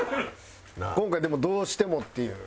今回でもどうしてもっていう。